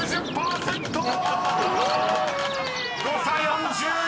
［誤差４２！］